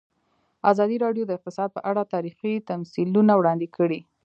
ازادي راډیو د اقتصاد په اړه تاریخي تمثیلونه وړاندې کړي.